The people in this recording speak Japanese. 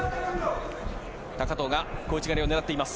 高藤が小内刈りを狙っていきます。